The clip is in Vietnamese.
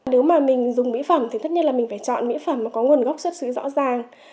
nếu mà mình dùng mỹ phẩm thì tất nhiên là mình phải chọn mỹ phẩm mà có nguồn gốc xuất xứ rõ ràng